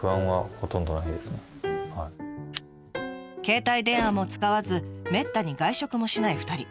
携帯電話も使わずめったに外食もしない２人。